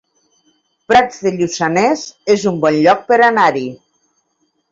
Prats de Lluçanès es un bon lloc per anar-hi